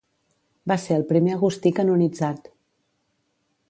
Va ser el primer agustí canonitzat.